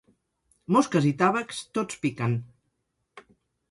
Mosques i tàvecs, tots piquen.